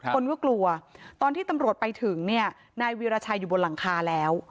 คนก็กลัวตอนที่ตำรวจไปถึงเนี่ยนายวีรชัยอยู่บนหลังคาแล้ว